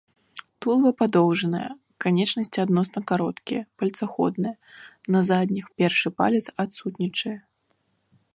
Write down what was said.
Тулава падоўжанае, канечнасці адносна кароткія, пальцаходныя, на задніх першы палец адсутнічае.